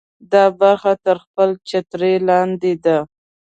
دا برخه تر خپل چتر لاندې ده.